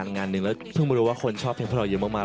ก็ได้ออกงานหนึ่งแล้วเพิ่งไปรู้ว่าคนชอบเพลินเพลินที่เรามีมาก